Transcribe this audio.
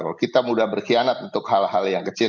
kalau kita mudah berkhianat untuk hal hal yang kecil